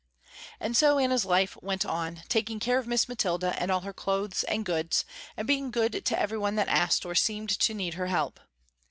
And so Anna's life went on, taking care of Miss Mathilda and all her clothes and goods, and being good to every one that asked or seemed to need her help.